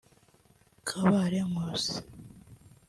Kabare Nkusi